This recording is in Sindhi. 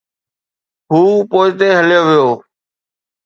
هو پوئتي هليو ويو.